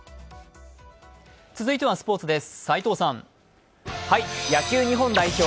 続いてはスポーツです。